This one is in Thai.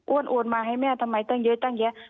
อ้วนโอนมาให้แม่ทำไมตั้งเยอะ